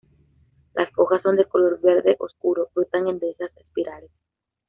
Las hojas son de color verde oscuro, brotan en densas espirales.